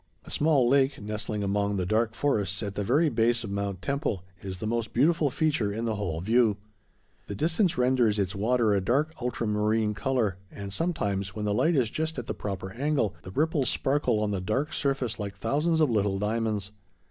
A small lake, nestling among the dark forests at the very base of Mount Temple, is the most beautiful feature in the whole view. The distance renders its water a dark ultra marine color, and sometimes, when the light is just at the proper angle, the ripples sparkle on the dark surface like thousands of little diamonds.